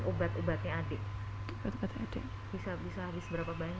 mbak alim kalau misalnya untuk berubat itu sekali berubat tuh bisa habis berapa banyak mbak